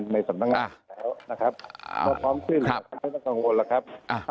ในสำนักงานแถวนะครับเขาพร้อมขึ้นไม่ต้องกังวลครับ